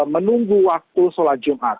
pukul sholat jumat